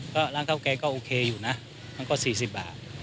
ก็ร้านข้าวแกก็โอเคอยู่นะมันก็๔๐บาท